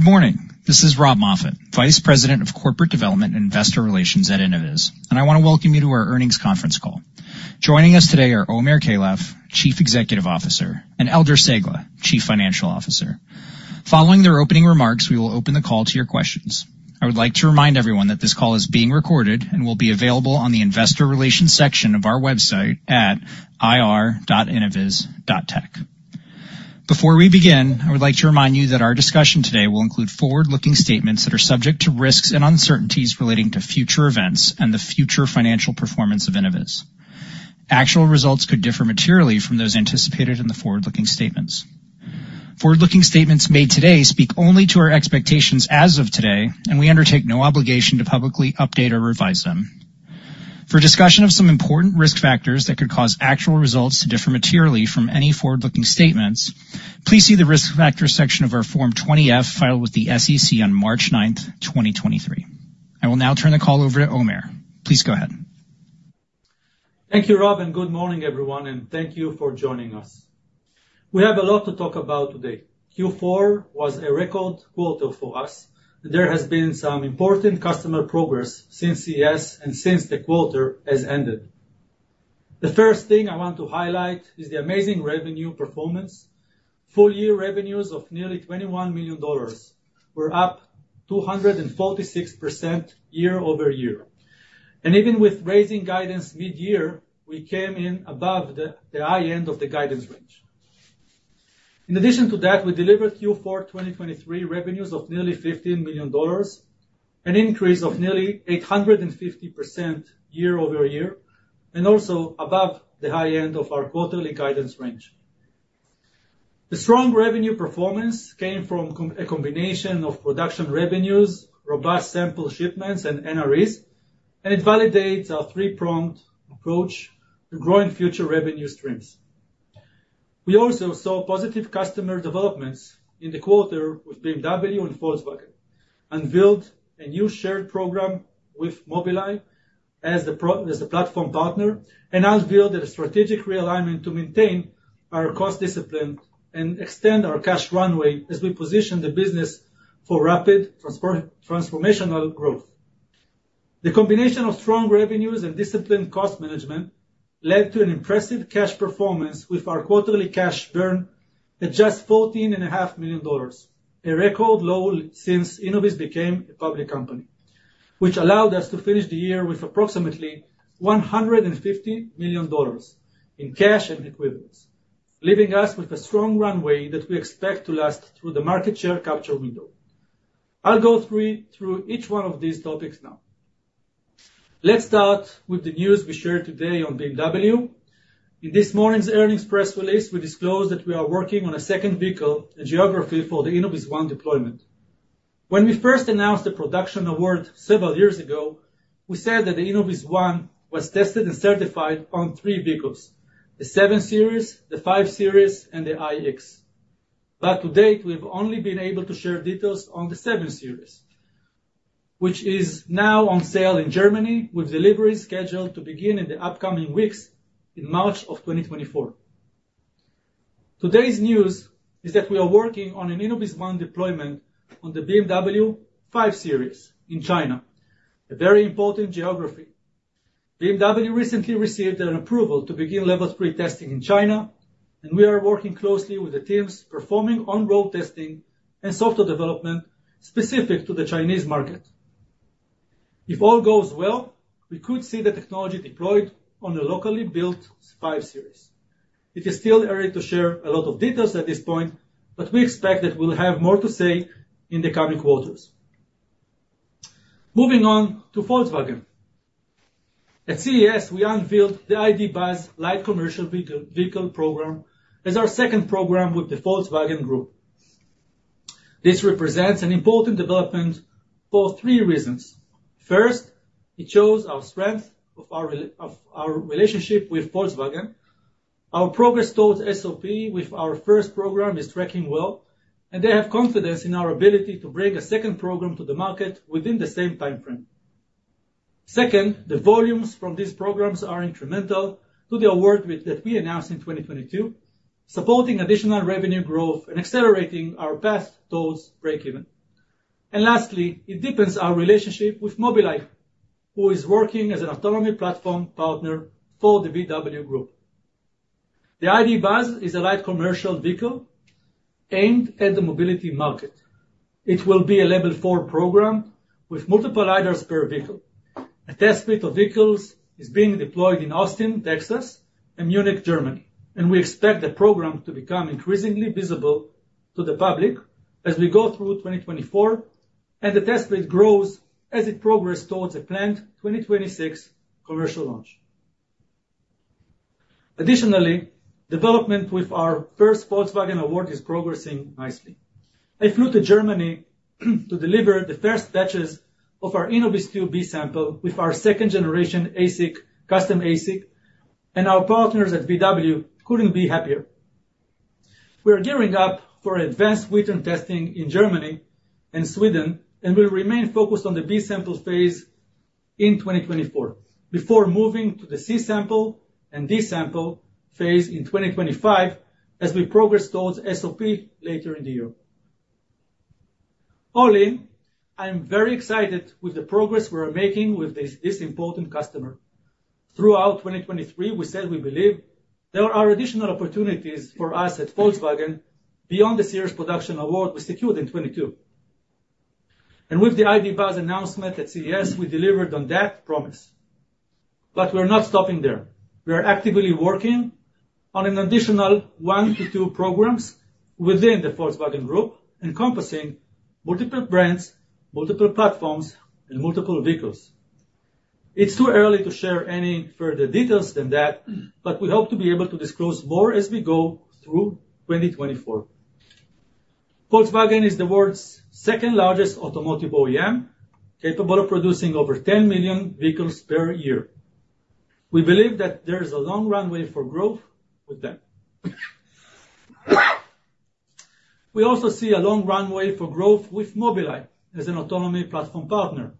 Good morning. This is Rob Moffatt, Vice President of Corporate Development and Investor Relations at Innoviz, and I want to welcome you to our earnings conference call. Joining us today are Omer Keilaf, Chief Executive Officer, and Eldar Cegla, Chief Financial Officer. Following their opening remarks, we will open the call to your questions. I would like to remind everyone that this call is being recorded and will be available on the Investor Relations section of our website at ir.innoviz.tech. Before we begin, I would like to remind you that our discussion today will include forward-looking statements that are subject to risks and uncertainties relating to future events and the future financial performance of Innoviz. Actual results could differ materially from those anticipated in the forward-looking statements. Forward-looking statements made today speak only to our expectations as of today, and we undertake no obligation to publicly update or revise them. For discussion of some important risk factors that could cause actual results to differ materially from any forward-looking statements, please see the risk factors section of our Form 20-F filed with the SEC on March 9, 2023. I will now turn the call over to Omer. Please go ahead. Thank you, Rob, and good morning, everyone, and thank you for joining us. We have a lot to talk about today. Q4 was a record quarter for us, and there has been some important customer progress since CS and since the quarter has ended. The first thing I want to highlight is the amazing revenue performance. Full-year revenues of nearly $21 million were up 246% year-over-year. Even with raising guidance mid-year, we came in above the high end of the guidance range. In addition to that, we delivered Q4 2023 revenues of nearly $15 million, an increase of nearly 850% year-over-year, and also above the high end of our quarterly guidance range. The strong revenue performance came from a combination of production revenues, robust sample shipments, and NREs, and it validates our three-pronged approach to growing future revenue streams. We also saw positive customer developments in the quarter with BMW and Volkswagen. Unveiled a new shared program with Mobileye as the platform partner, and unveiled a strategic realignment to maintain our cost discipline and extend our cash runway as we position the business for rapid transformational growth. The combination of strong revenues and disciplined cost management led to an impressive cash performance with our quarterly cash burn at just $14.5 million, a record low since Innoviz became a public company, which allowed us to finish the year with approximately $150 million in cash and equivalents, leaving us with a strong runway that we expect to last through the market share capture window. I'll go through each one of these topics now. Let's start with the news we shared today on BMW. In this morning's earnings press release, we disclosed that we are working on a second vehicle and geography for the InnovizOne deployment. When we first announced the production award several years ago, we said that the InnovizOne was tested and certified on three vehicles: the 7 Series, the 5 Series, and the iX. But to date, we've only been able to share details on the 7 Series, which is now on sale in Germany, with deliveries scheduled to begin in the upcoming weeks in March of 2024. Today's news is that we are working on an InnovizOne deployment on the BMW 5 Series in China, a very important geography. BMW recently received an approval to begin Level 3 testing in China, and we are working closely with the teams performing on-road testing and software development specific to the Chinese market. If all goes well, we could see the technology deployed on a locally built 5 Series. It is still early to share a lot of details at this point, but we expect that we'll have more to say in the coming quarters. Moving on to Volkswagen. At CES, we unveiled the ID. Buzz Light Commercial Vehicle program as our second program with the Volkswagen Group. This represents an important development for three reasons. First, it shows our strength of our relationship with Volkswagen. Our progress towards SOP with our first program is tracking well, and they have confidence in our ability to bring a second program to the market within the same time frame. Second, the volumes from these programs are incremental to the award that we announced in 2022, supporting additional revenue growth and accelerating our path towards breakeven. Lastly, it deepens our relationship with Mobileye, who is working as an autonomy platform partner for the BMW Group. The ID. Buzz is a light commercial vehicle aimed at the mobility market. It will be a Level 4 program with multiple LiDARs per vehicle. A test fleet of vehicles is being deployed in Austin, Texas, and Munich, Germany, and we expect the program to become increasingly visible to the public as we go through 2024 and the test fleet grows as it progresses towards a planned 2026 commercial launch. Additionally, development with our first Volkswagen award is progressing nicely. I flew to Germany to deliver the first batches of our InnovizTwo B sample with our second-generation ASIC, custom ASIC, and our partners at VW couldn't be happier. We are gearing up for advanced winter testing in Germany and Sweden and will remain focused on the B sample phase in 2024 before moving to the C sample and D sample phase in 2025 as we progress towards SOP later in the year. Olli, I'm very excited with the progress we are making with this important customer. Throughout 2023, we said we believe there are additional opportunities for us at Volkswagen beyond the series production award we secured in 2022. And with the ID. Buzz announcement at CES, we delivered on that promise. But we are not stopping there. We are actively working on an additional 1-2 programs within the Volkswagen Group encompassing multiple brands, multiple platforms, and multiple vehicles. It's too early to share any further details than that, but we hope to be able to disclose more as we go through 2024. Volkswagen is the world's second-largest automotive OEM, capable of producing over 10 million vehicles per year. We believe that there is a long runway for growth with them. We also see a long runway for growth with Mobileye as an autonomy platform partner.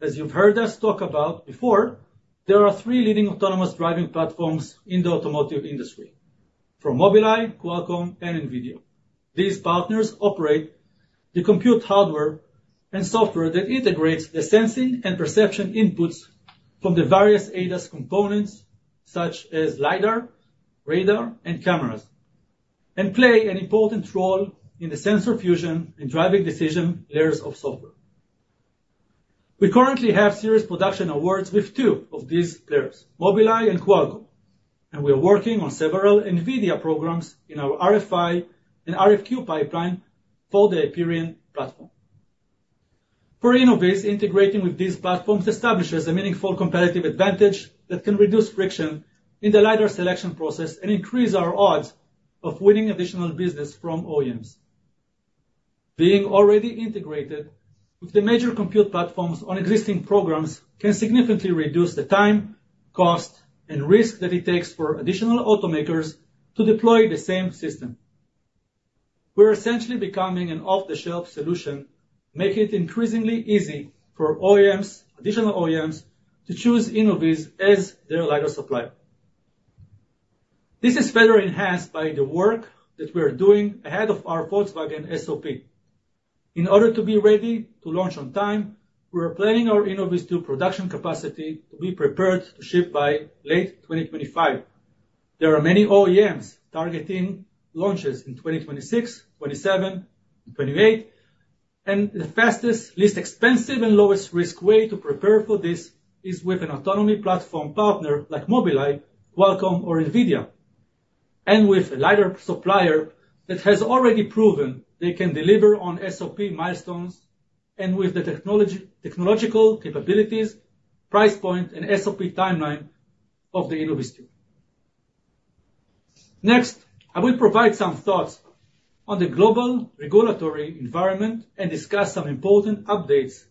As you've heard us talk about before, there are three leading autonomous driving platforms in the automotive industry: from Mobileye, Qualcomm, and NVIDIA. These partners operate the compute hardware and software that integrates the sensing and perception inputs from the various ADAS components, such as LiDAR, radar, and cameras, and play an important role in the sensor fusion and driving decision layers of software. We currently have serious production awards with two of these players, Mobileye and Qualcomm, and we are working on several NVIDIA programs in our RFI and RFQ pipeline for the Hyperion platform. For Innoviz, integrating with these platforms establishes a meaningful competitive advantage that can reduce friction in the LiDAR selection process and increase our odds of winning additional business from OEMs. Being already integrated with the major compute platforms on existing programs can significantly reduce the time, cost, and risk that it takes for additional automakers to deploy the same system. We are essentially becoming an off-the-shelf solution, making it increasingly easy for additional OEMs to choose Innoviz as their LiDAR supplier. This is further enhanced by the work that we are doing ahead of our Volkswagen SOP. In order to be ready to launch on time, we are planning our Innoviz 2 production capacity to be prepared to ship by late 2025. There are many OEMs targeting launches in 2026, 2027, and 2028, and the fastest, least expensive, and lowest risk way to prepare for this is with an autonomy platform partner like Mobileye, Qualcomm, or NVIDIA, and with a LiDAR supplier that has already proven they can deliver on SOP milestones and with the technological capabilities, price point, and SOP timeline of the Innoviz 2. Next, I will provide some thoughts on the global regulatory environment and discuss some important updates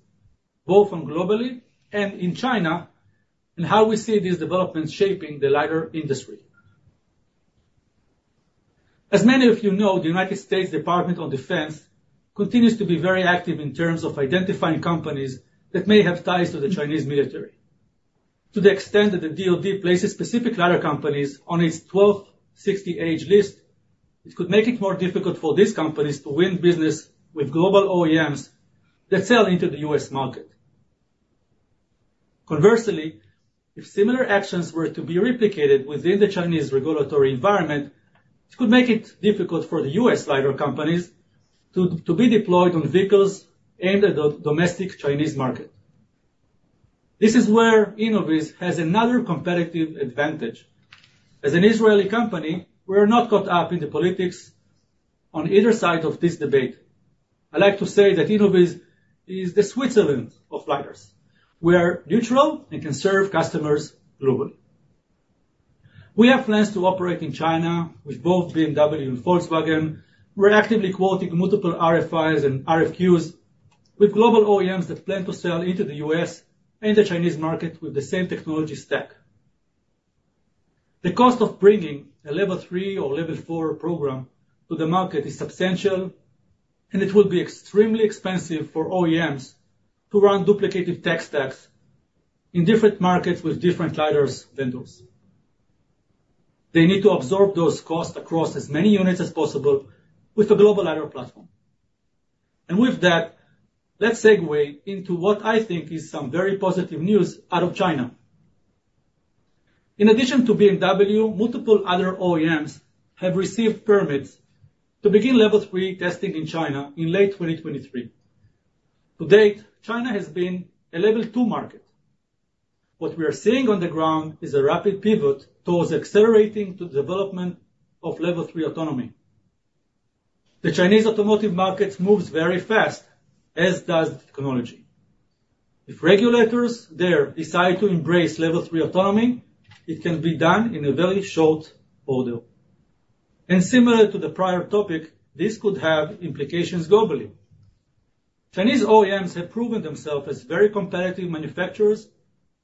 both globally and in China and how we see these developments shaping the LiDAR industry. As many of you know, the United States Department of Defense continues to be very active in terms of identifying companies that may have ties to the Chinese military. To the extent that the DOD places specific LiDAR companies on its 1260H list, it could make it more difficult for these companies to win business with global OEMs that sell into the U.S. market. Conversely, if similar actions were to be replicated within the Chinese regulatory environment, it could make it difficult for the U.S. LiDAR companies to be deployed on vehicles aimed at the domestic Chinese market. This is where Innoviz has another competitive advantage. As an Israeli company, we are not caught up in the politics on either side of this debate. I like to say that Innoviz is the Switzerland of LiDARs. We are neutral and can serve customers globally. We have plans to operate in China with both BMW and Volkswagen. We're actively quoting multiple RFIs and RFQs with global OEMs that plan to sell into the U.S. and the Chinese market with the same technology stack. The cost of bringing a Level 3 or Level 4 program to the market is substantial, and it will be extremely expensive for OEMs to run duplicated tech stacks in different markets with different LiDAR vendors. They need to absorb those costs across as many units as possible with a global LiDAR platform. And with that, let's segue into what I think is some very positive news out of China. In addition to BMW, multiple other OEMs have received permits to begin Level 3 testing in China in late 2023. To date, China has been a Level 2 market. What we are seeing on the ground is a rapid pivot towards accelerating the development of Level 3 autonomy. The Chinese automotive market moves very fast, as does the technology. If regulators there decide to embrace Level 3 autonomy, it can be done in a very short order. Similar to the prior topic, this could have implications globally. Chinese OEMs have proven themselves as very competitive manufacturers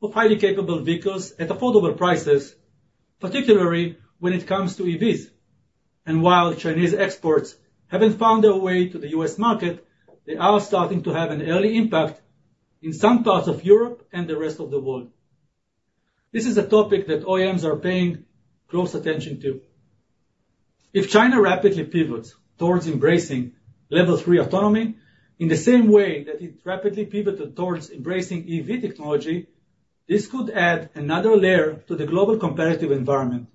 of highly capable vehicles at affordable prices, particularly when it comes to EVs. While Chinese exports haven't found their way to the U.S. market, they are starting to have an early impact in some parts of Europe and the rest of the world. This is a topic that OEMs are paying close attention to. If China rapidly pivots towards embracing Level 3 autonomy in the same way that it rapidly pivoted towards embracing EV technology, this could add another layer to the global competitive environment.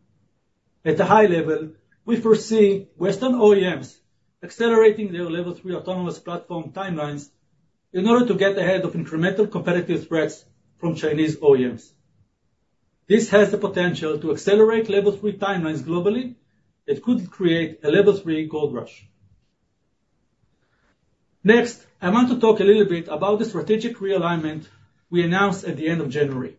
At a high level, we foresee Western OEMs accelerating their level 3 autonomous platform timelines in order to get ahead of incremental competitive threats from Chinese OEMs. This has the potential to accelerate level 3 timelines globally that could create a level 3 gold rush. Next, I want to talk a little bit about the strategic realignment we announced at the end of January.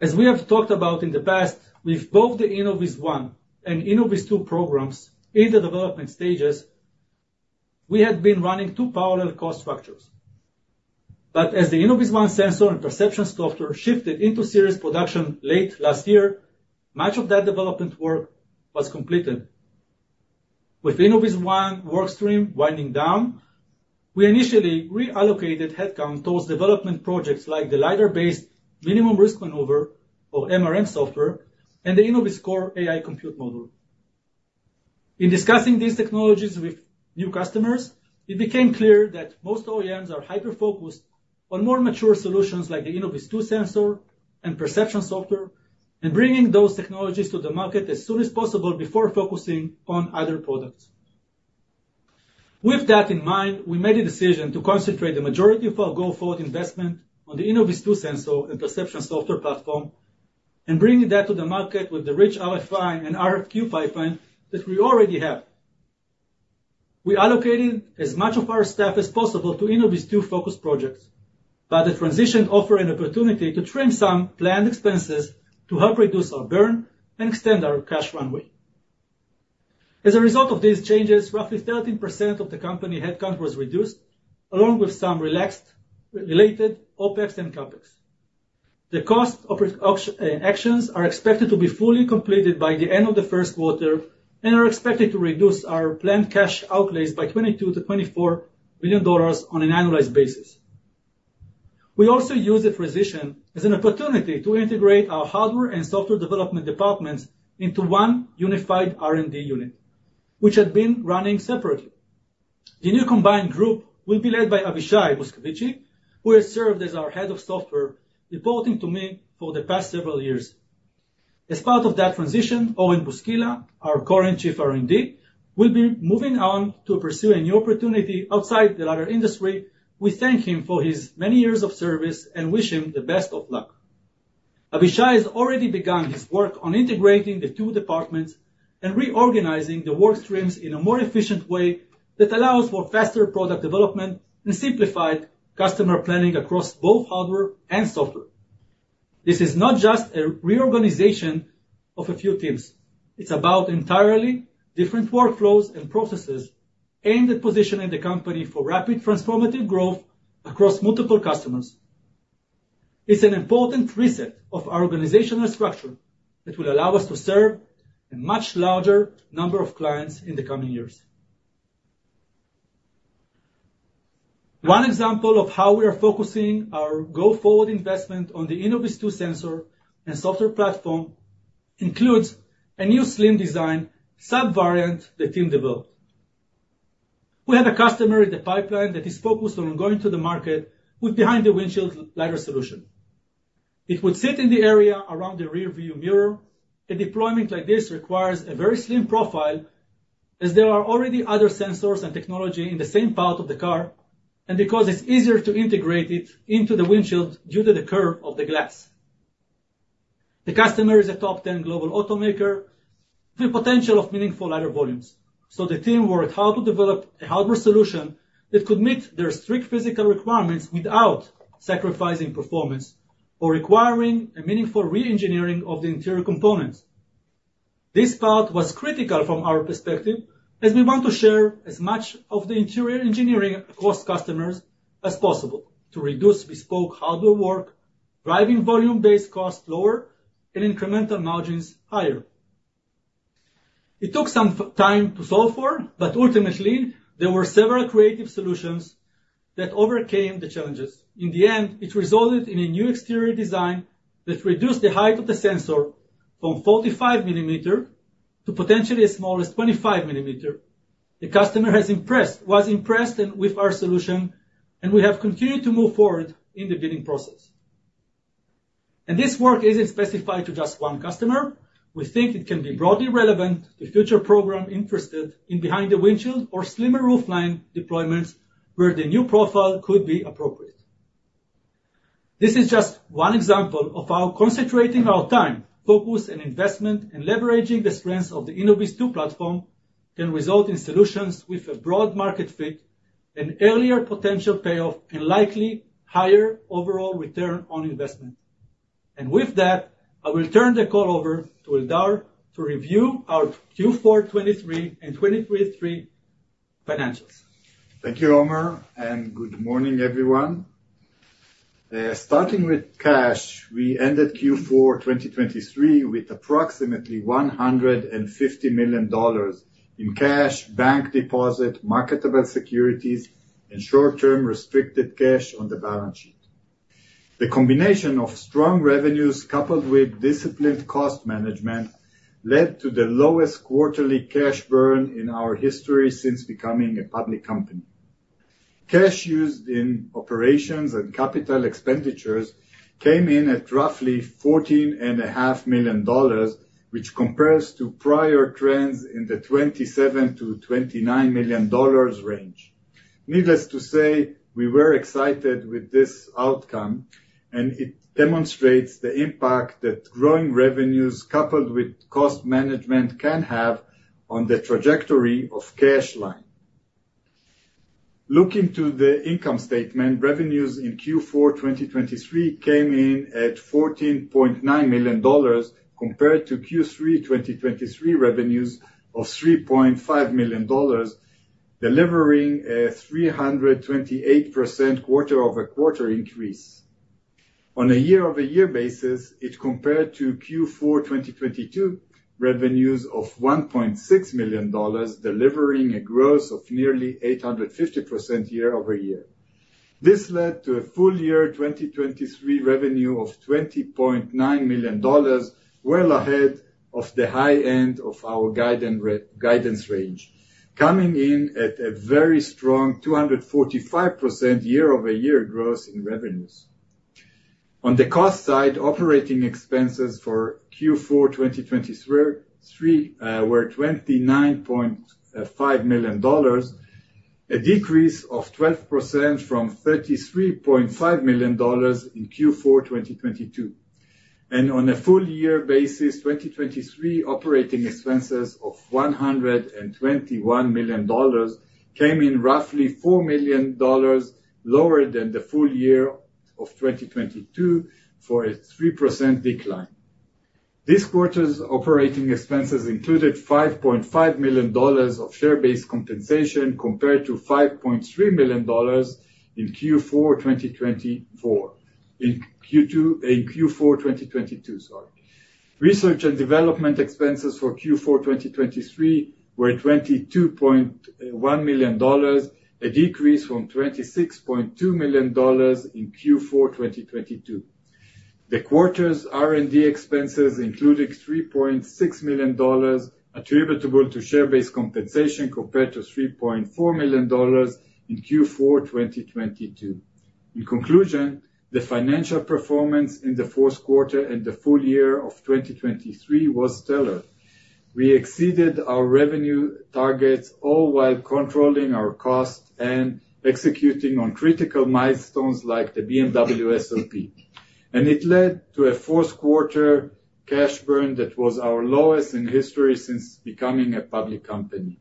As we have talked about in the past, with both the InnovizOne and InnovizTwo programs in the development stages, we had been running two parallel cost structures. But as the InnovizOne sensor and perception software shifted into series production late last year, much of that development work was completed. With InnovizOne workstream winding down, we initially reallocated headcount towards development projects like the LiDAR-based minimum risk maneuver, or MRM, software and the InnovizCore AI compute module. In discussing these technologies with new customers, it became clear that most OEMs are hyper-focused on more mature solutions like the InnovizTwo sensor and perception software and bringing those technologies to the market as soon as possible before focusing on other products. With that in mind, we made the decision to concentrate the majority of our go-forward investment on the InnovizTwo sensor and perception software platform and bring that to the market with the rich RFI and RFQ pipeline that we already have. We allocated as much of our staff as possible to InnovizTwo-focused projects, but the transition offered an opportunity to trim some planned expenses to help reduce our burn and extend our cash runway. As a result of these changes, roughly 13% of the company headcount was reduced, along with some related OPEX and CAPEX. The cost actions are expected to be fully completed by the end of the first quarter and are expected to reduce our planned cash outlays by $22-$24 million on an annualized basis. We also use the transition as an opportunity to integrate our hardware and software development departments into one unified R&D unit, which had been running separately. The new combined group will be led by Avishay Moscovici, who has served as our head of software, reporting to me for the past several years. As part of that transition, Oren Buskila, our current chief R&D, will be moving on to pursue a new opportunity outside the LiDAR industry. We thank him for his many years of service and wish him the best of luck. Avishay has already begun his work on integrating the two departments and reorganizing the workstreams in a more efficient way that allows for faster product development and simplified customer planning across both hardware and software. This is not just a reorganization of a few teams. It's about entirely different workflows and processes aimed at positioning the company for rapid transformative growth across multiple customers. It's an important reset of our organizational structure that will allow us to serve a much larger number of clients in the coming years. One example of how we are focusing our go-forward investment on the Innoviz Two sensor and software platform includes a new slim design sub-variant the team developed. We have a customer in the pipeline that is focused on going to the market with behind-the-windshield LiDAR solution. It would sit in the area around the rearview mirror. A deployment like this requires a very slim profile as there are already other sensors and technology in the same part of the car and because it's easier to integrate it into the windshield due to the curve of the glass. The customer is a top-10 global automaker with the potential of meaningful LiDAR volumes. So the team worked hard to develop a hardware solution that could meet their strict physical requirements without sacrificing performance or requiring a meaningful re-engineering of the interior components. This part was critical from our perspective as we want to share as much of the interior engineering across customers as possible to reduce bespoke hardware work, driving volume-based costs lower, and incremental margins higher. It took some time to solve for, but ultimately, there were several creative solutions that overcame the challenges. In the end, it resulted in a new exterior design that reduced the height of the sensor from 45 millimeters to potentially as small as 25 millimeters. The customer was impressed with our solution, and we have continued to move forward in the bidding process. This work isn't specified to just one customer. We think it can be broadly relevant to future programs interested in behind-the-windshield or slimmer roofline deployments where the new profile could be appropriate. This is just one example of how concentrating our time, focus, and investment in leveraging the strengths of the Innoviz Two platform can result in solutions with a broad market fit, an earlier potential payoff, and likely higher overall return on investment. With that, I will turn the call over to Eldar to review our Q4 2023 and 2023 financials. Thank you, Omer, and good morning, everyone. Starting with cash, we ended Q4 2023 with approximately $150 million in cash, bank deposit, marketable securities, and short-term restricted cash on the balance sheet. The combination of strong revenues coupled with disciplined cost management led to the lowest quarterly cash burn in our history since becoming a public company. Cash used in operations and capital expenditures came in at roughly $14.5 million, which compares to prior trends in the $27-$29 million range. Needless to say, we were excited with this outcome, and it demonstrates the impact that growing revenues coupled with cost management can have on the trajectory of cash line. Looking to the income statement, revenues in Q4 2023 came in at $14.9 million compared to Q3 2023 revenues of $3.5 million, delivering a 328% quarter-over-quarter increase. On a year-over-year basis, it compared to Q4 2022 revenues of $1.6 million, delivering a growth of nearly 850% year-over-year. This led to a full-year 2023 revenue of $20.9 million, well ahead of the high end of our guidance range, coming in at a very strong 245% year-over-year growth in revenues. On the cost side, operating expenses for Q4 2023 were $29.5 million, a decrease of 12% from $33.5 million in Q4 2022. On a full-year basis, 2023 operating expenses of $121 million came in roughly $4 million lower than the full year of 2022 for a 3% decline. This quarter's operating expenses included $5.5 million of share-based compensation compared to $5.3 million in Q4 2022. Research and development expenses for Q4 2023 were $22.1 million, a decrease from $26.2 million in Q4 2022. The quarter's R&D expenses included $3.6 million attributable to share-based compensation compared to $3.4 million in Q4 2022. In conclusion, the financial performance in the fourth quarter and the full year of 2023 was stellar. We exceeded our revenue targets all while controlling our costs and executing on critical milestones like the BMW SOP. And it led to a fourth quarter cash burn that was our lowest in history since becoming a public company.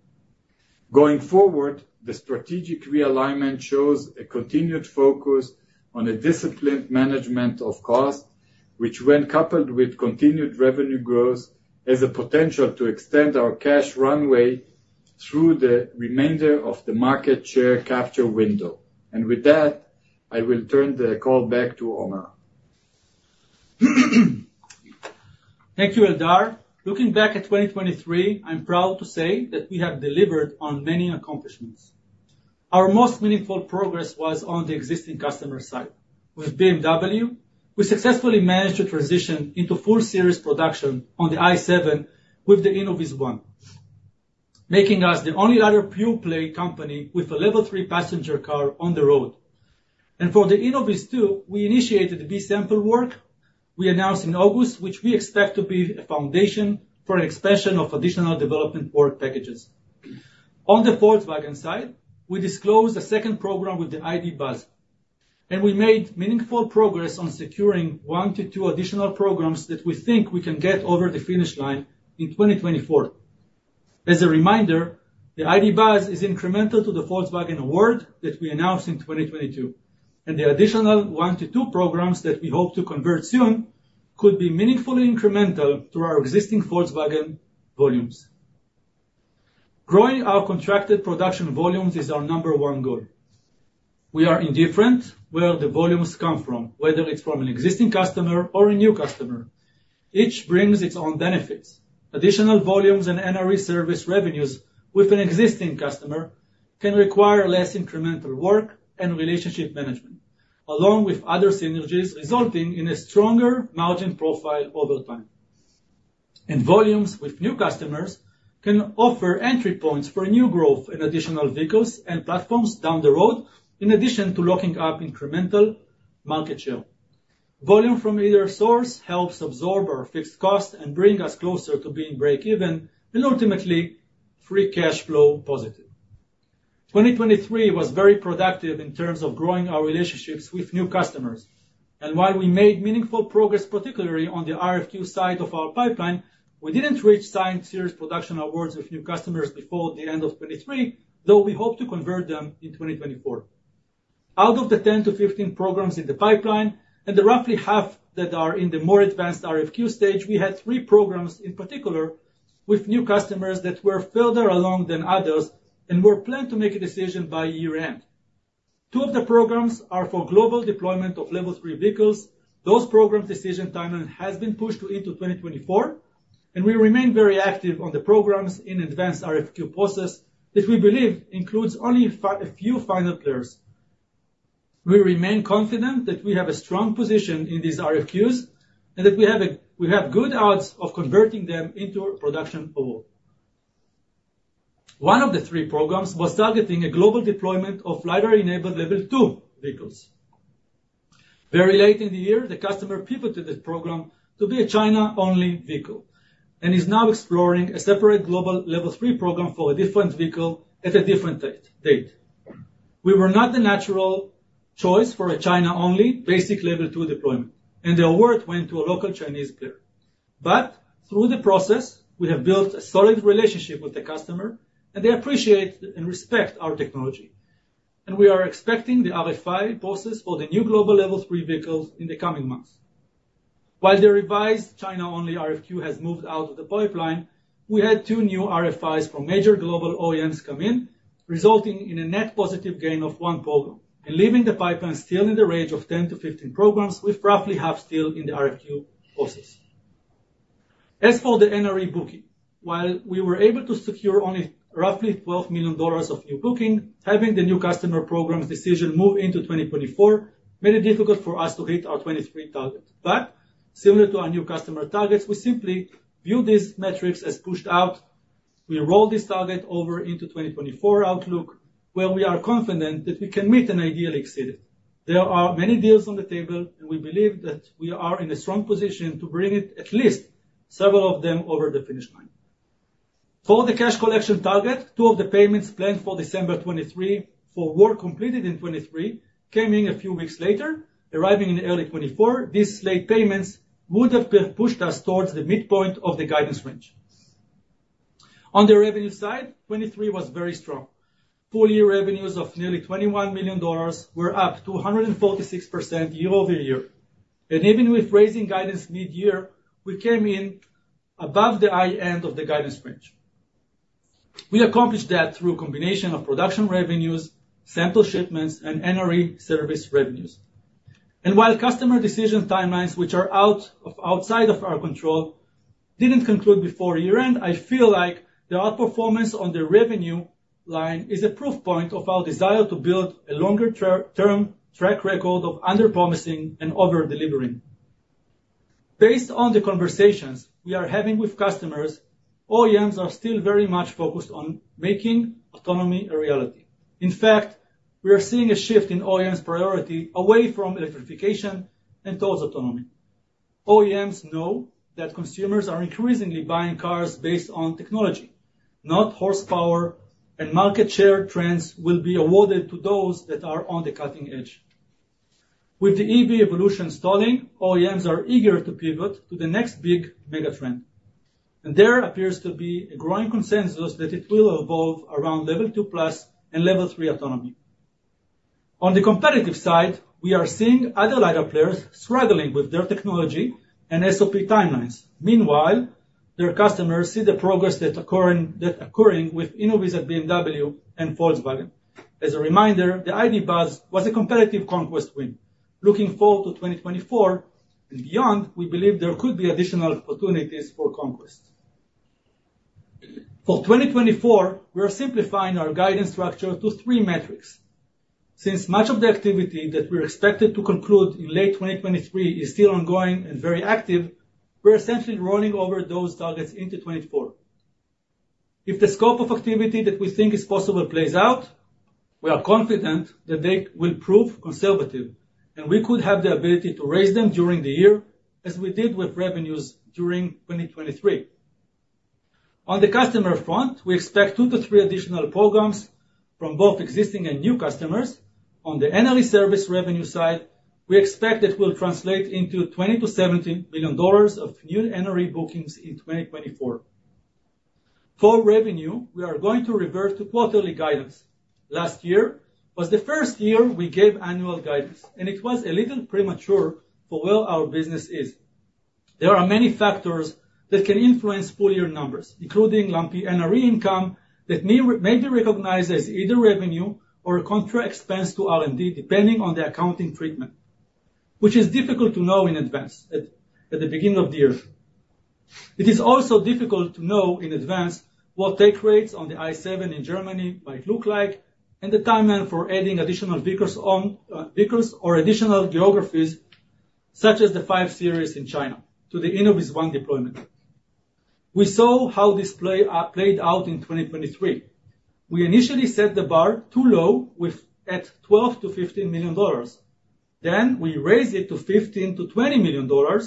Going forward, the strategic realignment shows a continued focus on a disciplined management of costs, which, when coupled with continued revenue growth, has the potential to extend our cash runway through the remainder of the market share capture window. And with that, I will turn the call back to Omer. Thank you, Eldar. Looking back at 2023, I'm proud to say that we have delivered on many accomplishments. Our most meaningful progress was on the existing customer side. With BMW, we successfully managed to transition into full-series production on the i7 with the InnovizOne, making us the only LiDAR pure-play company with a Level 3 passenger car on the road. And for the InnovizTwo, we initiated the B sample work we announced in August, which we expect to be a foundation for an expansion of additional development work packages. On the Volkswagen side, we disclosed a second program with the ID. Buzz, and we made meaningful progress on securing 1-2 additional programs that we think we can get over the finish line in 2024. As a reminder, the ID. Buzz is incremental to the Volkswagen award that we announced in 2022, and the additional 1-2 programs that we hope to convert soon could be meaningfully incremental to our existing Volkswagen volumes. Growing our contracted production volumes is our number one goal. We are indifferent where the volumes come from, whether it's from an existing customer or a new customer. Each brings its own benefits. Additional volumes and NRE service revenues with an existing customer can require less incremental work and relationship management, along with other synergies resulting in a stronger margin profile over time. Volumes with new customers can offer entry points for new growth in additional vehicles and platforms down the road, in addition to locking up incremental market share. Volume from either source helps absorb our fixed costs and bring us closer to being break-even and ultimately free cash flow positive. 2023 was very productive in terms of growing our relationships with new customers. While we made meaningful progress, particularly on the RFQ side of our pipeline, we didn't reach signed series production awards with new customers before the end of 2023, though we hope to convert them in 2024. Out of the 10-15 programs in the pipeline and the roughly half that are in the more advanced RFQ stage, we had three programs in particular with new customers that were further along than others and were planned to make a decision by year-end. Two of the programs are for global deployment of Level 3 vehicles. Those programs' decision timeline has been pushed into 2024, and we remain very active on the programs in advanced RFQ process that we believe includes only a few final players. We remain confident that we have a strong position in these RFQs and that we have good odds of converting them into production awards. One of the three programs was targeting a global deployment of LiDAR-enabled Level 2 vehicles. Very late in the year, the customer pivoted the program to be a China-only vehicle and is now exploring a separate global Level 3 program for a different vehicle at a different date. We were not the natural choice for a China-only basic Level 2 deployment, and the award went to a local Chinese player. But through the process, we have built a solid relationship with the customer, and they appreciate and respect our technology. We are expecting the RFI process for the new global Level 3 vehicles in the coming months. While the revised China-only RFQ has moved out of the pipeline, we had two new RFIs from major global OEMs come in, resulting in a net positive gain of one program and leaving the pipeline still in the range of 10-15 programs with roughly half still in the RFQ process. As for the NRE booking, while we were able to secure only roughly $12 million of new booking, having the new customer programs' decision move into 2024 made it difficult for us to hit our 2023 target. But similar to our new customer targets, we simply view these metrics as pushed out. We rolled this target over into 2024 Outlook, where we are confident that we can meet and ideally exceed it. There are many deals on the table, and we believe that we are in a strong position to bring at least several of them over the finish line. For the cash collection target, two of the payments planned for December 2023 for work completed in 2023 came in a few weeks later, arriving in early 2024. These late payments would have pushed us towards the midpoint of the guidance range. On the revenue side, 2023 was very strong. Full-year revenues of nearly $21 million were up 246% year-over-year. Even with raising guidance mid-year, we came in above the high end of the guidance range. We accomplished that through a combination of production revenues, sample shipments, and NRE service revenues. While customer decision timelines, which are outside of our control, didn't conclude before year-end, I feel like the outperformance on the revenue line is a proof point of our desire to build a longer-term track record of under-promising and over-delivering. Based on the conversations we are having with customers, OEMs are still very much focused on making autonomy a reality. In fact, we are seeing a shift in OEMs' priority away from electrification and to autonomy. OEMs know that consumers are increasingly buying cars based on technology, not horsepower, and market share trends will be awarded to those that are on the cutting edge. With the EV evolution stalling, OEMs are eager to pivot to the next big megatrend. There appears to be a growing consensus that it will evolve around level 2+ and level three autonomy. On the competitive side, we are seeing other LiDAR players struggling with their technology and SOP timelines. Meanwhile, their customers see the progress that's occurring with Innoviz at BMW and Volkswagen. As a reminder, the ID. Buzz was a competitive conquest win. Looking forward to 2024 and beyond, we believe there could be additional opportunities for conquest. For 2024, we are simplifying our guidance structure to three metrics. Since much of the activity that we're expected to conclude in late 2023 is still ongoing and very active, we're essentially rolling over those targets into 2024. If the scope of activity that we think is possible plays out, we are confident that they will prove conservative, and we could have the ability to raise them during the year as we did with revenues during 2023. On the customer front, we expect two to three additional programs from both existing and new customers. On the NRE service revenue side, we expect that will translate into $20-$70 million of new NRE bookings in 2024. For revenue, we are going to revert to quarterly guidance. Last year was the first year we gave annual guidance, and it was a little premature for where our business is. There are many factors that can influence full-year numbers, including lumpy NRE income that may be recognized as either revenue or a contra expense to R&D, depending on the accounting treatment, which is difficult to know in advance at the beginning of the year. It is also difficult to know in advance what take rates on the i7 in Germany might look like and the timeline for adding additional vehicles or additional geographies, such as the 5 series in China, to the InnovizOne deployment. We saw how this played out in 2023. We initially set the bar too low at $12-$15 million. Then we raised it to $15-$20 million,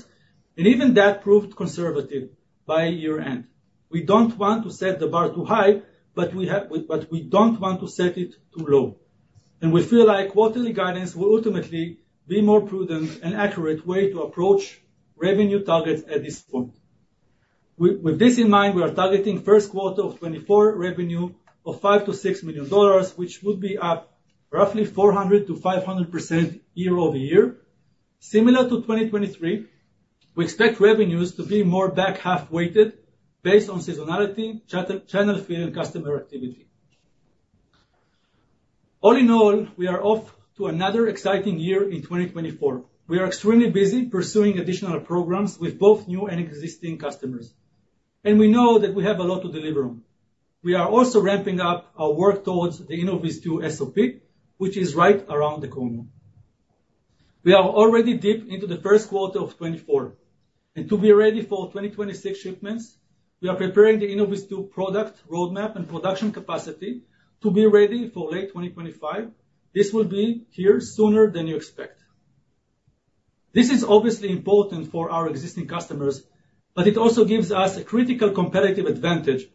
and even that proved conservative by year-end. We don't want to set the bar too high, but we don't want to set it too low. And we feel like quarterly guidance will ultimately be a more prudent and accurate way to approach revenue targets at this point. With this in mind, we are targeting the first quarter of 2024 revenue of $5-$6 million, which would be up roughly 400%-500% year-over-year. Similar to 2023, we expect revenues to be more back-half-weighted based on seasonality, channel fill, and customer activity. All in all, we are off to another exciting year in 2024. We are extremely busy pursuing additional programs with both new and existing customers, and we know that we have a lot to deliver on. We are also ramping up our work towards the InnovizTwo SOP, which is right around the corner. We are already deep into the first quarter of 2024, and to be ready for 2026 shipments, we are preparing the InnovizTwo product roadmap and production capacity to be ready for late 2025. This will be here sooner than you expect. This is obviously important for our existing customers, but it also gives us a critical competitive advantage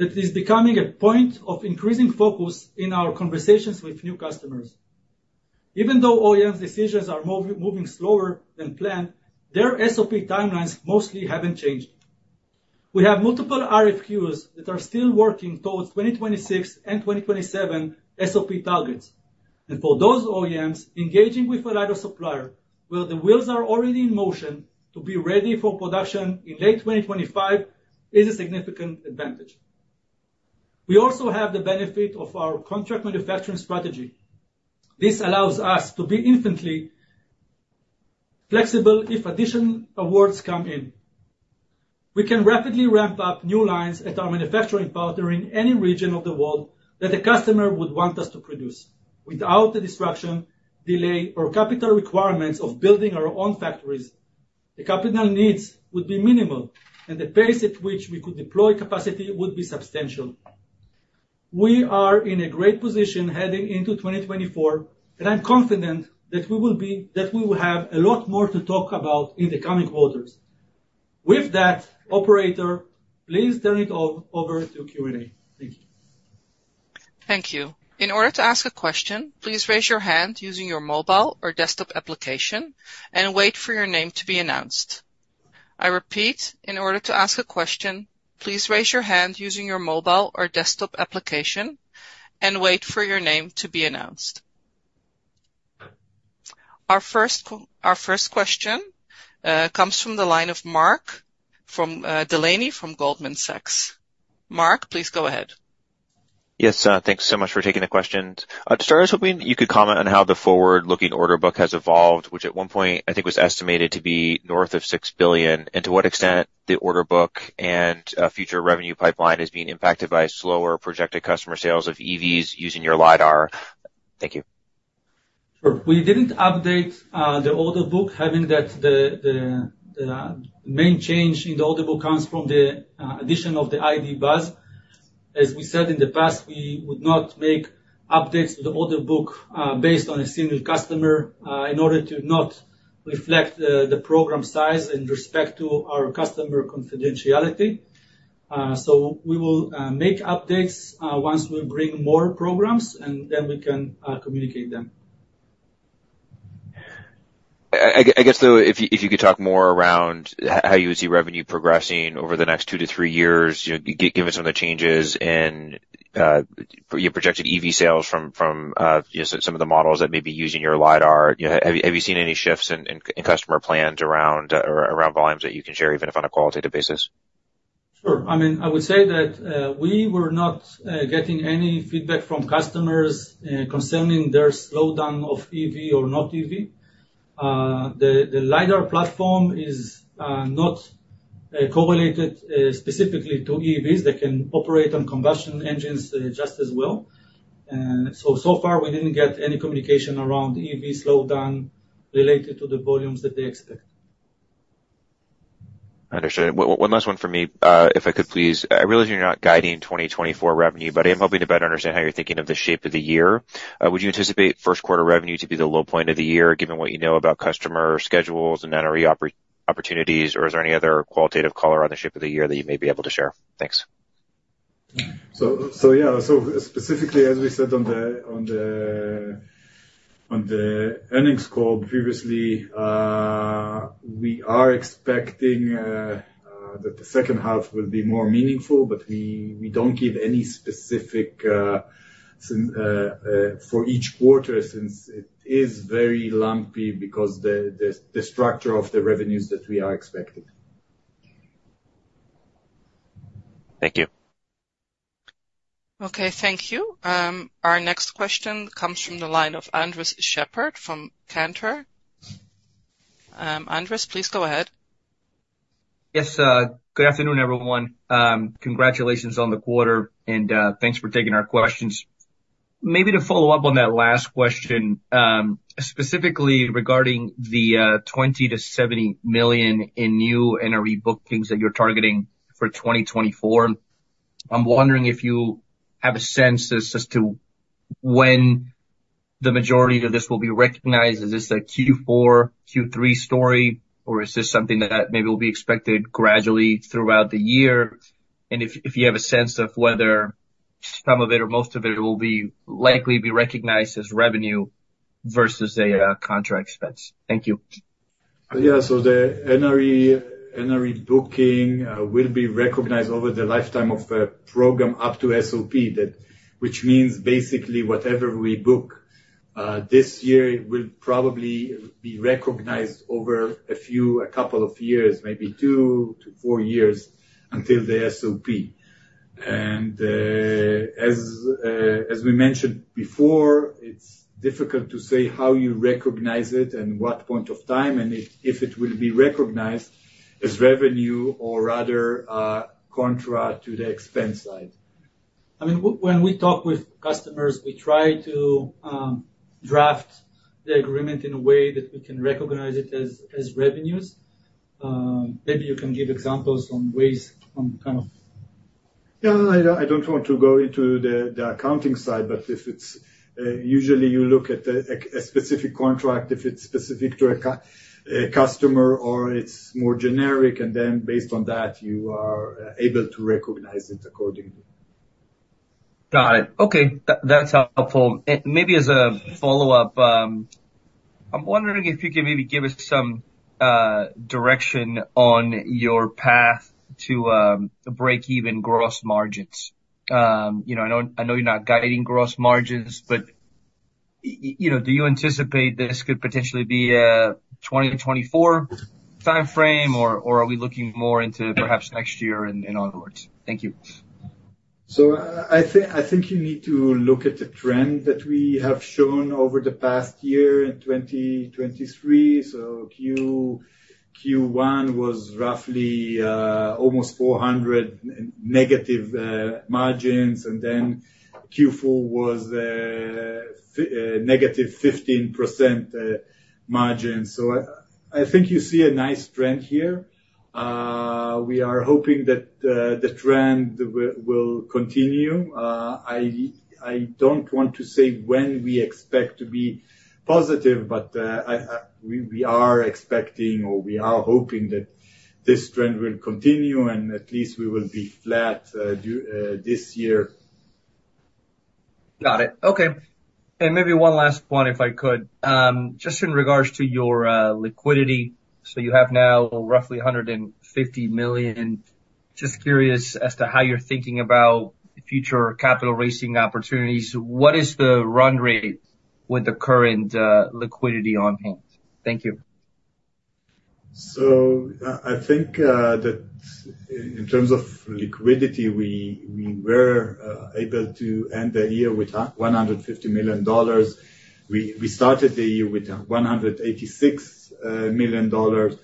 that is becoming a point of increasing focus in our conversations with new customers. Even though OEMs' decisions are moving slower than planned, their SOP timelines mostly haven't changed. We have multiple RFQs that are still working towards 2026 and 2027 SOP targets. For those OEMs, engaging with a LiDAR supplier where the wheels are already in motion to be ready for production in late 2025 is a significant advantage. We also have the benefit of our contract manufacturing strategy. This allows us to be infinitely flexible if additional awards come in. We can rapidly ramp up new lines at our manufacturing partner in any region of the world that a customer would want us to produce. Without the disruption, delay, or capital requirements of building our own factories, the capital needs would be minimal, and the pace at which we could deploy capacity would be substantial. We are in a great position heading into 2024, and I'm confident that we will have a lot more to talk about in the coming quarters. With that, operator, please turn it over to Q&A. Thank you. Thank you. In order to ask a question, please raise your hand using your mobile or desktop application and wait for your name to be announced. I repeat, in order to ask a question, please raise your hand using your mobile or desktop application and wait for your name to be announced. Our first question comes from the line of Mark Delaney from Goldman Sachs. Mark, please go ahead. Yes, thanks so much for taking the question. To start us, hoping you could comment on how the forward-looking order book has evolved, which at one point, I think, was estimated to be north of $6 billion. And to what extent the order book and future revenue pipeline is being impacted by slower projected customer sales of EVs using your LiDAR? Thank you. Sure. We didn't update the order book, having that the main change in the order book comes from the addition of the ID. Buzz. As we said in the past, we would not make updates to the order book based on a single customer in order to not reflect the program size in respect to our customer confidentiality. So we will make updates once we bring more programs, and then we can communicate them. I guess, though, if you could talk more around how you would see revenue progressing over the next 2-3 years, given some of the changes in your projected EV sales from some of the models that may be using your LiDAR, have you seen any shifts in customer plans around volumes that you can share, even if on a qualitative basis? Sure. I mean, I would say that we were not getting any feedback from customers concerning their slowdown of EV or not EV. The LiDAR platform is not correlated specifically to EVs. They can operate on combustion engines just as well. So far, we didn't get any communication around EV slowdown related to the volumes that they expect. Understood. One last one from me, if I could, please. I realize you're not guiding 2024 revenue, but I am hoping to better understand how you're thinking of the shape of the year. Would you anticipate first-quarter revenue to be the low point of the year, given what you know about customer schedules and NRE opportunities, or is there any other qualitative color on the shape of the year that you may be able to share? Thanks. So yeah, so specifically, as we said on the earnings call previously, we are expecting that the second half will be more meaningful, but we don't give any specific for each quarter since it is very lumpy because of the structure of the revenues that we are expecting. Thank you. Okay, thank you. Our next question comes from the line of Andres Shepherd from Cantor. Andrews, please go ahead. Yes, good afternoon, everyone. Congratulations on the quarter, and thanks for taking our questions. Maybe to follow up on that last question, specifically regarding the $20-70 million in new NRE bookings that you're targeting for 2024, I'm wondering if you have a sense as to when the majority of this will be recognized? Is this a Q4, Q3 story, or is this something that maybe will be expected gradually throughout the year? And if you have a sense of whether some of it or most of it will likely be recognized as revenue versus a contra expense? Thank you. Yeah, so the NRE booking will be recognized over the lifetime of the program up to SOP, which means basically whatever we book this year will probably be recognized over a couple of years, maybe 2-4 years until the SOP. And as we mentioned before, it's difficult to say how you recognize it and what point of time and if it will be recognized as revenue or rather contra to the expense side. I mean, when we talk with customers, we try to draft the agreement in a way that we can recognize it as revenues. Maybe you can give examples on ways on kind of. Yeah, I don't want to go into the accounting side, but usually, you look at a specific contract if it's specific to a customer or it's more generic, and then based on that, you are able to recognize it accordingly. Got it. Okay, that's helpful. Maybe as a follow-up, I'm wondering if you could maybe give us some direction on your path to break-even gross margins. I know you're not guiding gross margins, but do you anticipate this could potentially be a 2024 timeframe, or are we looking more into perhaps next year and onwards? Thank you. I think you need to look at the trend that we have shown over the past year in 2023. Q1 was roughly almost 400 negative margins, and then Q4 was negative 15% margins. I think you see a nice trend here. We are hoping that the trend will continue. I don't want to say when we expect to be positive, but we are expecting or we are hoping that this trend will continue, and at least we will be flat this year. Got it. Okay. And maybe one last point, if I could, just in regards to your liquidity. So you have now roughly $150 million. Just curious as to how you're thinking about future capital raising opportunities. What is the run rate with the current liquidity on hand? Thank you. So I think that in terms of liquidity, we were able to end the year with $150 million. We started the year with $186 million.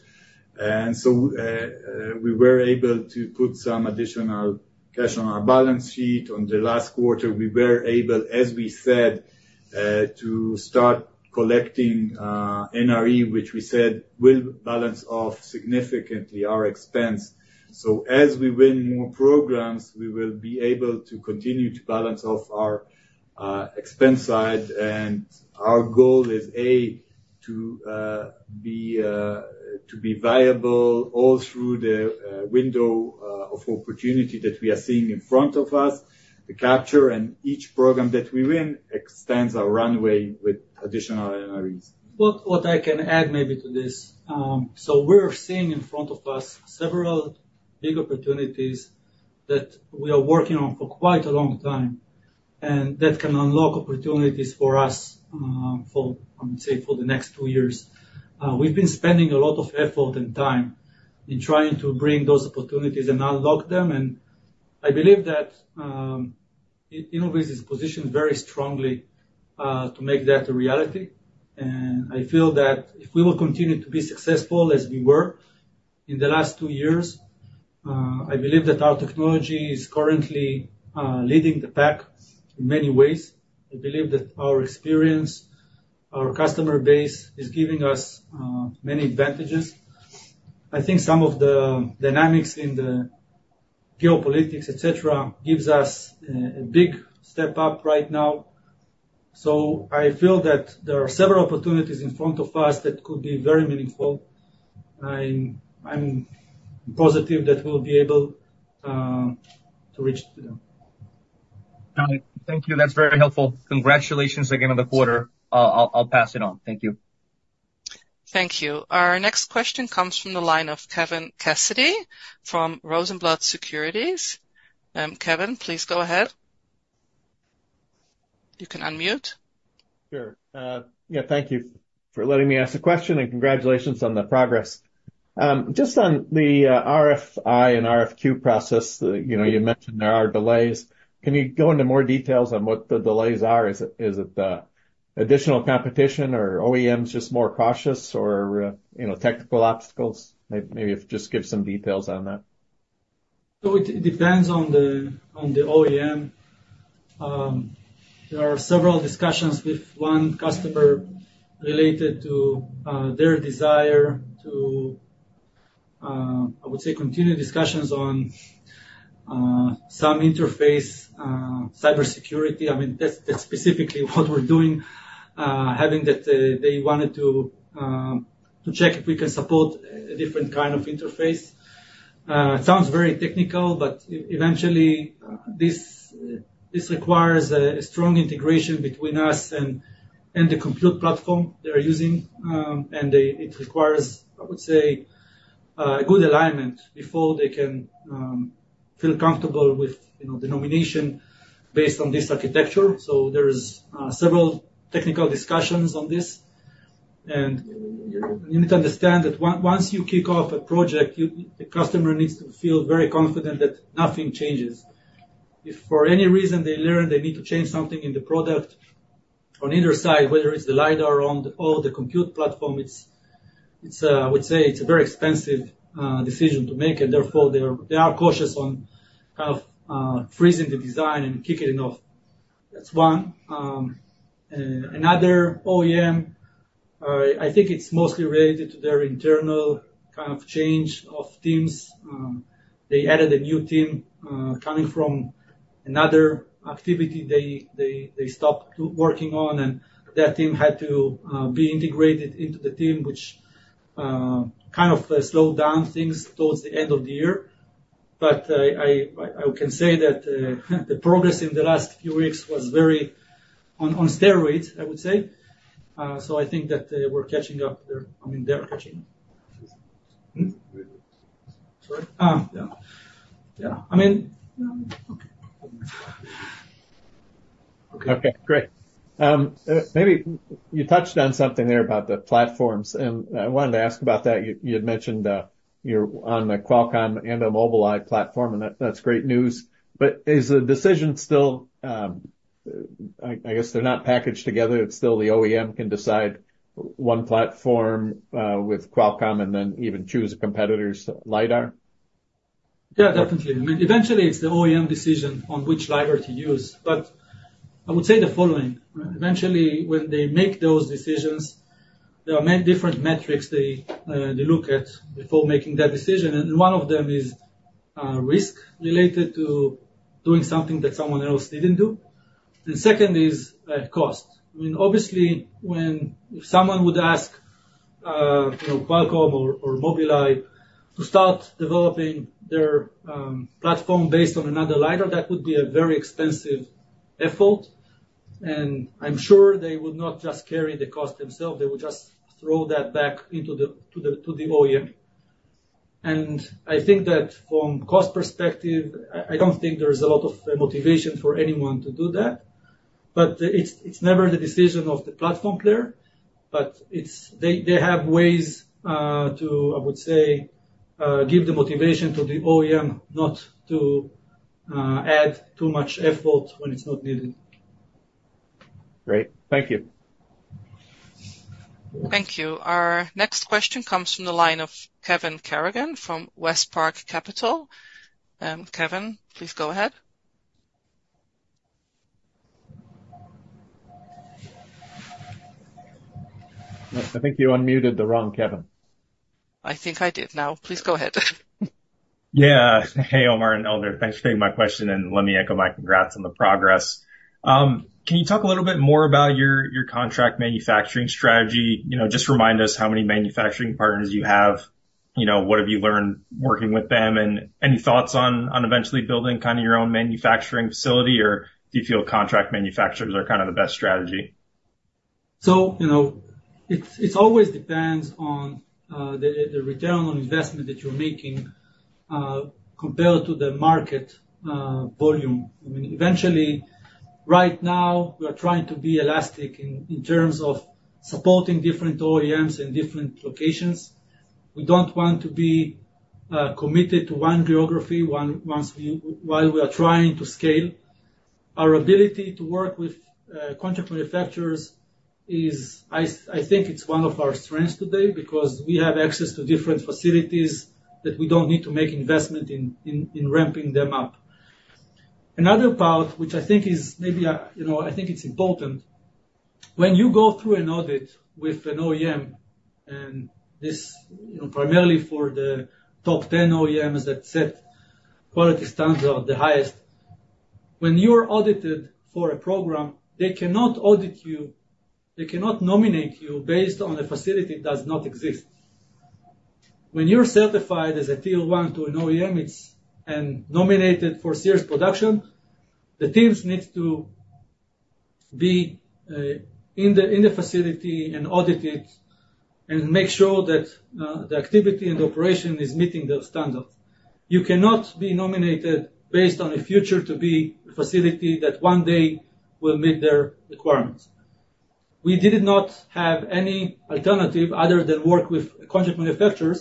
And so we were able to put some additional cash on our balance sheet. On the last quarter, we were able, as we said, to start collecting NRE, which we said will balance off significantly our expense. So as we win more programs, we will be able to continue to balance off our expense side. And our goal is, A, to be viable all through the window of opportunity that we are seeing in front of us. The capture and each program that we win extends our runway with additional NREs. What I can add maybe to this, so we're seeing in front of us several big opportunities that we are working on for quite a long time and that can unlock opportunities for us, I would say, for the next two years. We've been spending a lot of effort and time in trying to bring those opportunities and unlock them. I believe that Innoviz is positioned very strongly to make that a reality. I feel that if we will continue to be successful as we were in the last two years, I believe that our technology is currently leading the pack in many ways. I believe that our experience, our customer base is giving us many advantages. I think some of the dynamics in the geopolitics, etc., gives us a big step up right now. I feel that there are several opportunities in front of us that could be very meaningful. I'm positive that we'll be able to reach them. Got it. Thank you. That's very helpful. Congratulations again on the quarter. I'll pass it on. Thank you. Thank you. Our next question comes from the line of Kevin Cassidy from Rosenblatt Securities. Kevin, please go ahead. You can unmute. Sure. Yeah, thank you for letting me ask the question, and congratulations on the progress. Just on the RFI and RFQ process, you mentioned there are delays. Can you go into more details on what the delays are? Is it additional competition, or OEMs just more cautious, or technical obstacles? Maybe just give some details on that. It depends on the OEM. There are several discussions with one customer related to their desire to, I would say, continue discussions on some interface cybersecurity. I mean, that's specifically what we're doing, having that they wanted to check if we can support a different kind of interface. It sounds very technical, but eventually, this requires a strong integration between us and the compute platform they are using. It requires, I would say, a good alignment before they can feel comfortable with the nomination based on this architecture. So there are several technical discussions on this. You need to understand that once you kick off a project, the customer needs to feel very confident that nothing changes. If for any reason they learn they need to change something in the product on either side, whether it's the LiDAR or the compute platform, I would say it's a very expensive decision to make, and therefore, they are cautious on kind of freezing the design and kicking it off. That's one. Another OEM, I think it's mostly related to their internal kind of change of teams. They added a new team coming from another activity they stopped working on, and that team had to be integrated into the team, which kind of slowed down things towards the end of the year. But I can say that the progress in the last few weeks was very on steroids, I would say. So I think that we're catching up there. I mean, they're catching up. Sorry? Yeah. Yeah. I mean, okay. Okay, great. Maybe you touched on something there about the platforms, and I wanted to ask about that. You had mentioned you're on the Qualcomm and the Mobileye platform, and that's great news. But is the decision still I guess they're not packaged together? It's still the OEM can decide one platform with Qualcomm and then even choose a competitor's LiDAR? Yeah, definitely. I mean, eventually, it's the OEM decision on which LiDAR to use. But I would say the following. Eventually, when they make those decisions, there are many different metrics they look at before making that decision. And one of them is risk related to doing something that someone else didn't do. And second is cost. I mean, obviously, if someone would ask Qualcomm or Mobileye to start developing their platform based on another LiDAR, that would be a very expensive effort. And I'm sure they would not just carry the cost themselves. They would just throw that back into the OEM. And I think that from cost perspective, I don't think there is a lot of motivation for anyone to do that. But it's never the decision of the platform player. But they have ways to, I would say, give the motivation to the OEM not to add too much effort when it's not needed. Great. Thank you. Thank you. Our next question comes from the line of Kevin Garrigan from West Park Capital. Kevin, please go ahead. I think you unmuted the wrong Kevin. I think I did now. Please go ahead. Yeah. Hey, Omer and Eldar. Thanks for taking my question, and let me echo my congrats on the progress. Can you talk a little bit more about your contract manufacturing strategy? Just remind us how many manufacturing partners you have. What have you learned working with them? And any thoughts on eventually building kind of your own manufacturing facility, or do you feel contract manufacturers are kind of the best strategy? So it always depends on the return on investment that you're making compared to the market volume. I mean, eventually, right now, we are trying to be elastic in terms of supporting different OEMs in different locations. We don't want to be committed to one geography while we are trying to scale. Our ability to work with contract manufacturers is, I think, it's one of our strengths today because we have access to different facilities that we don't need to make investment in ramping them up. Another part, which I think is maybe I think it's important, when you go through an audit with an OEM, and this primarily for the top 10 OEMs that set quality standards are the highest, when you are audited for a program, they cannot audit you. They cannot nominate you based on a facility that does not exist. When you're certified as a Tier 1 to an OEM and nominated for serious production, the teams need to be in the facility and audit it and make sure that the activity and operation is meeting the standards. You cannot be nominated based on a future-to-be facility that one day will meet their requirements. We did not have any alternative other than work with contract manufacturers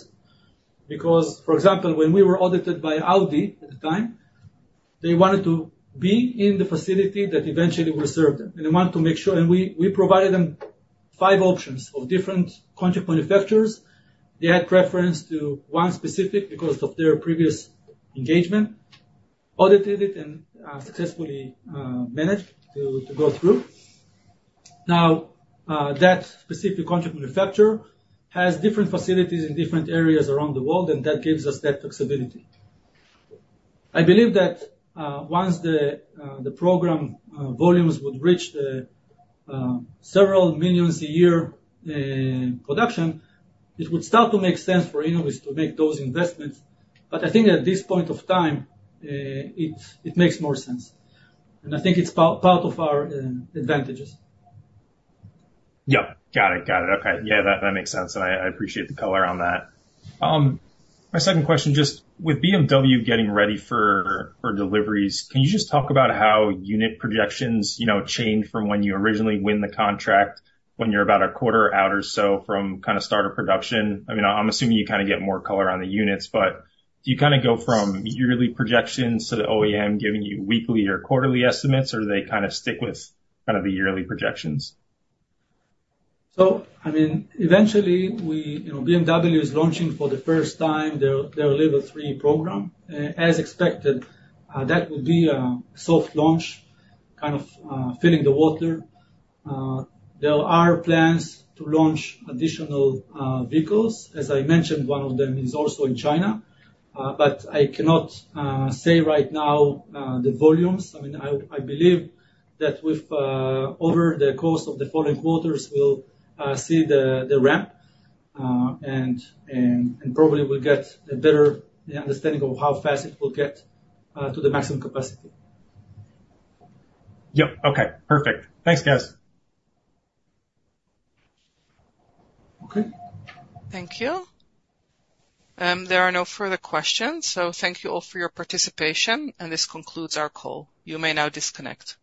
because, for example, when we were audited by Audi at the time, they wanted to be in the facility that eventually will serve them. They wanted to make sure and we provided them five options of different contract manufacturers. They had preference to one specific because of their previous engagement, audited it, and successfully managed to go through. Now, that specific contract manufacturer has different facilities in different areas around the world, and that gives us that flexibility. I believe that once the program volumes would reach the several millions a year production, it would start to make sense for Innoviz to make those investments. But I think at this point of time, it makes more sense. And I think it's part of our advantages. Yeah. Got it. Got it. Okay. Yeah, that makes sense. And I appreciate the color on that. My second question, just with BMW getting ready for deliveries, can you just talk about how unit projections change from when you originally win the contract when you're about a quarter out or so from kind of start of production? I mean, I'm assuming you kind of get more color on the units, but do you kind of go from yearly projections to the OEM giving you weekly or quarterly estimates, or do they kind of stick with kind of the yearly projections? So, I mean, eventually, BMW is launching for the first time their Level 3 program. As expected, that would be a soft launch, kind of filling the water. There are plans to launch additional vehicles. As I mentioned, one of them is also in China. But I cannot say right now the volumes. I mean, I believe that over the course of the following quarters, we'll see the ramp and probably will get a better understanding of how fast it will get to the maximum capacity. Yep. Okay. Perfect. Thanks, guys. Okay. Thank you. There are no further questions, so thank you all for your participation, and this concludes our call. You may now disconnect.